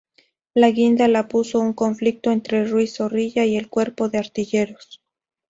La guinda la puso un conflicto entre Ruiz Zorrilla y el Cuerpo de Artilleros.